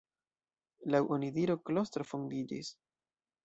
Laŭ onidiro klostro fondiĝis.